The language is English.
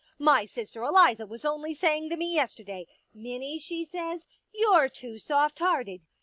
My sister Eliza was only saying to me yesterday —* Minnie,' she says, * you're too soft hearted.